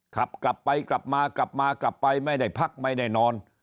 ขับกลับไปกลับมากลับมากลับไปไม่ได้พักไม่ได้นอน